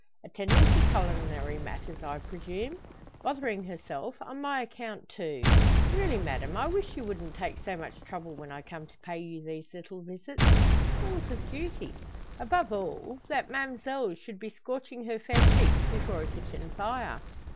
"Attending to culinary matters, I presume? Bothering herself on my account, too! Really, madame, I wish you wouldn't take so much trouble when I come to pay you these little visits calls of duty. Above all, that ma'mselle should be scorching her fair cheeks before a kitchen fire."